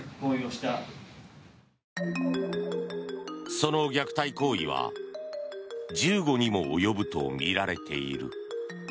その虐待行為は１５にも及ぶとみられている。